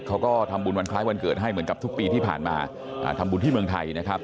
เขาก็ทำบุญวันคล้ายวันเกิดให้เหมือนกับทุกปีที่ผ่านมาทำบุญที่เมืองไทยนะครับ